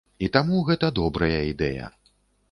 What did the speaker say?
І таму гэта добрая ідэя.